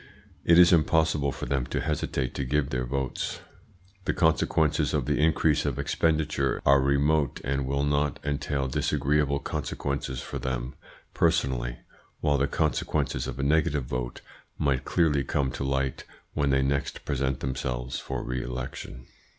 It is impossible for them to hesitate to give their votes. The consequences of the increase of expenditure are remote and will not entail disagreeable consequences for them personally, while the consequences of a negative vote might clearly come to light when they next present themselves for re election.